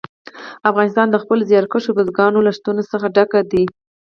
افغانستان د خپلو زیارکښو بزګانو له شتون څخه ډک دی.